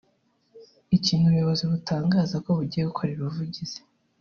ikintu ubuyobozi butangaza ko bugiye gukorera ubuvugizi